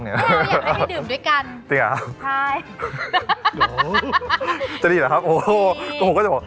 เราอยากให้ไปดื่มด้วยกัน